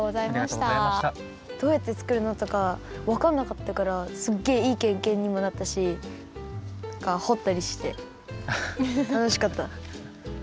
どうやってつくるのとかわかんなかったからすっげえいいけいけんにもなったしなんかほったりして楽しかった。